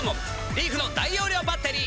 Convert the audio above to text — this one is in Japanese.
リーフの大容量バッテリー。